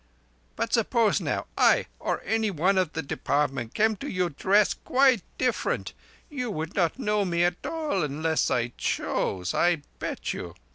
But suppose now, I, or any one of the Department, come to you dressed quite different. You would not know me at all unless I choose, I bet you.